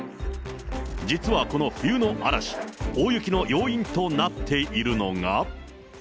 実はこの冬の嵐、大雪の要因となっているのが。